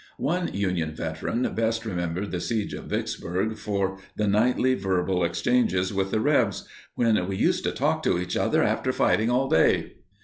One Union veteran best remembered the siege of Vicksburg for the nightly verbal exchanges with the "Rebs" when "we used to talk to each other after fighting all day."